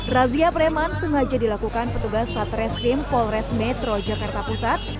razia pereman sengaja dilakukan petugas satres tim polres metro jakarta pusat